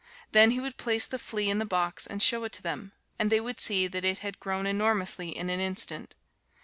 Then he would place the flea in the box and show it to them, and they would see that it had grown enormously in an instant.